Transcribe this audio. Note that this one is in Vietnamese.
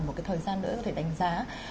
một cái thời gian nữa để đánh giá